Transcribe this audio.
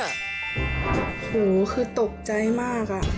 โอ้โหคือตกใจมากอะ